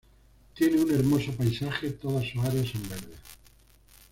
Tiene un hermoso paisaje, todas sus áreas son verdes.